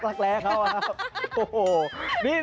จะแกล้เข้ามาครับ